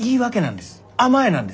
甘えなんです。